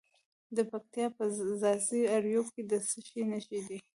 د پکتیا په ځاځي اریوب کې د څه شي نښې دي؟